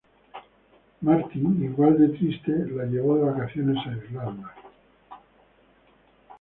Martin, igual de triste, la llevó de vacaciones a Irlanda.